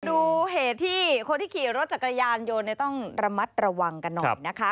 ดูเหตุที่คนที่ขี่รถจักรยานยนต์ต้องระมัดระวังกันหน่อยนะคะ